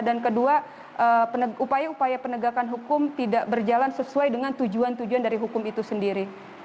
dan kedua upaya upaya penegakan hukum tidak berjalan sesuai dengan tujuan tujuan dari hukum itu sendiri